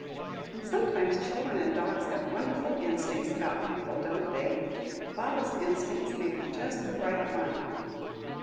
And sometimes children and dogs have wonderful instincts about people, don't they? Baba's instinct may be just the right one."